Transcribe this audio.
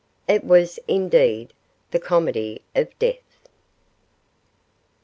It was, indeed, 'The Comedy of Death'!